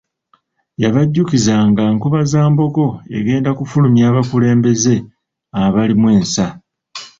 Yabajjukiza nga Nkobazambogo egenda kufulumya abakulembeze abalimu ensa.